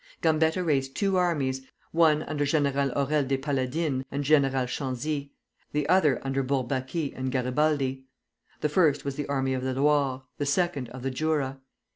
Gambetta raised two armies, one under General Aurelles des Paladines and General Chanzy; the other under Bourbaki and Garibaldi. The first was the Army of the Loire, the second of the Jura.